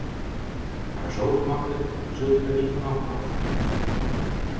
Maar zo gemakkelijk zult u er niet vanaf komen.